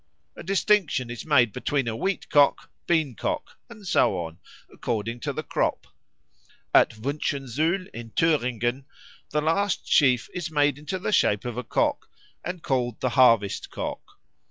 A distinction is made between a Wheat cock, Bean cock, and so on, according to the crop. At Wünschensuhl, in Thüringen, the last sheaf is made into the shape of a cock, and called the Harvest cock.